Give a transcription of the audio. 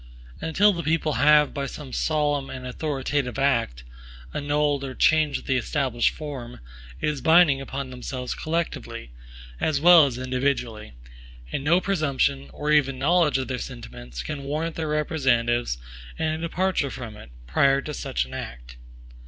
Until the people have, by some solemn and authoritative act, annulled or changed the established form, it is binding upon themselves collectively, as well as individually; and no presumption, or even knowledge, of their sentiments, can warrant their representatives in a departure from it, prior to such an act.